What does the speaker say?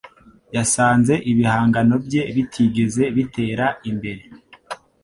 Yasanze ibihangano bye bitigeze bitera imbere